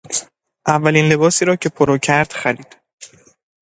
اولین لباسی را که پرو کرد خرید.